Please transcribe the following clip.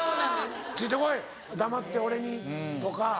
「ついて来い黙って俺に」とか。